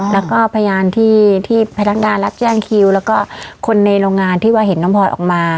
แล้วก็พยานที่พนักงานรับจ้างคิวแล้วก็คนในโรงงานที่ว่าเห็นน้องพลอยออกมา